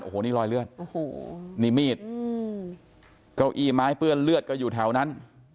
โอ้โหนี่รอยเลือดโอ้โหนี่มีดเก้าอี้ไม้เปื้อนเลือดก็อยู่แถวนั้น